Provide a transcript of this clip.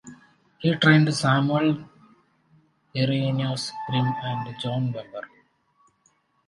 He trained Samuel Hieronymus Grimm.and John Webber.